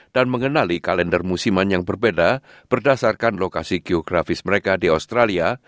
dan mengenali kalender musiman yang berbeda berdasarkan lokasi geografis mereka di australia